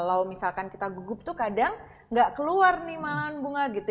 kalau misalkan kita gugup tuh kadang nggak keluar nih malahan bunga gitu